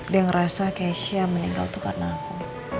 dia ngerasa keisha meninggal itu karena aku